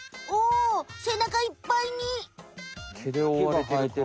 おおせなかいっぱいに。